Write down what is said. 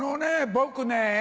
僕ね